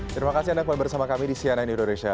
terima kasih anda kembali bersama kami di cnn indonesia